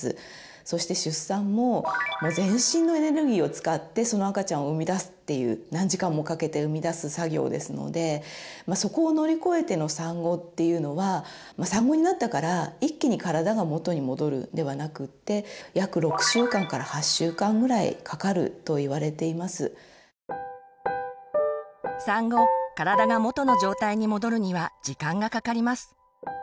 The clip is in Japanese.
そして出産も全身のエネルギーを使ってその赤ちゃんを産み出すっていう何時間もかけて産み出す作業ですのでそこを乗り越えての産後っていうのは産後になったから一気に体が元に戻るではなくって産後体が元の状態に戻るには時間がかかります。